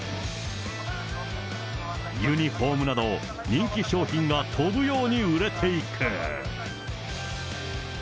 ユニホームなど、人気商品が飛ぶように売れていく。